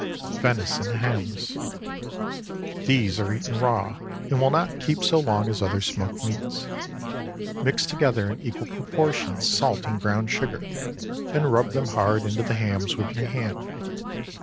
VENISON HAMS. These are eaten raw, and will not keep so long as other smoked meats. Mix together in equal proportions, salt and brown sugar, and rub them hard into the hams with your hand.